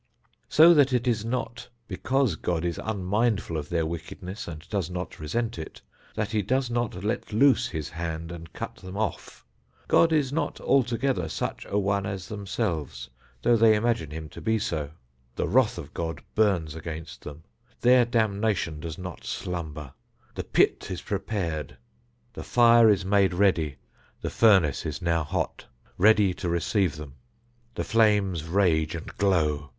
So that it is not because God is unmindful of their wickedness and does not resent it, that He does not let loose His hand and cut them off. God is not altogether such a one as themselves, though they imagine Him to be so. The wrath of God burns against them; their damnation does not slumber; the pit is prepared; the fire is made ready; the furnace is now hot; ready to receive them; the flames rage and glow.